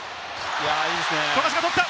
富樫が取った！